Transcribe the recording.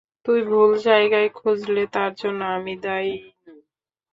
তুই ভুল জায়গায় খুঁজলে তার জন্য আমি দায়ী নই।